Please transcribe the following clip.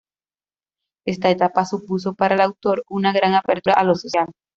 Esta etapa supuso para el autor una gran apertura a lo social.